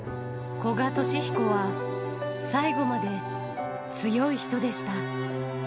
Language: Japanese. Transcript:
古賀稔彦は、最後まで強い人でした。